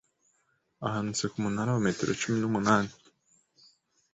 ahanutse ku munara wa metero cumi numunani